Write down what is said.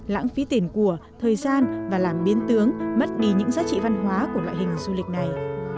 lãng phí tiền của thời gian và làm biến tướng mất đi những giá trị văn hóa của loại hình du lịch này